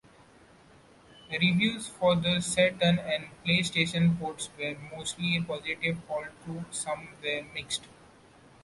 Reviews for the Saturn and PlayStation ports were mostly positive although some were mixed.